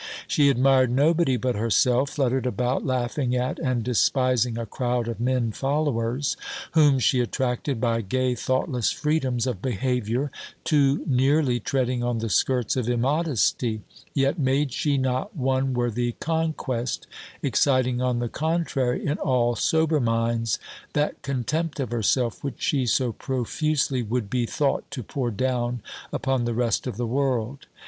She admired nobody but herself, fluttered about, laughing at, and despising a crowd of men followers, whom she attracted by gay, thoughtless freedoms of behaviour, too nearly treading on the skirts of immodesty: yet made she not one worthy conquest, exciting, on the contrary, in all sober minds, that contempt of herself, which she so profusely would be thought to pour down upon the rest of the world.